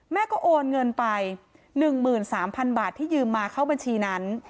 แม่ก็โอนเงินไปหนึ่งหมื่นสามพันบาทที่ยืมมาเข้าบัญชีนั้น